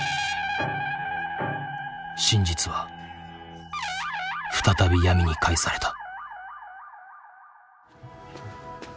真実は再び闇に返された。